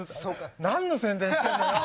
何の宣伝してんのよ！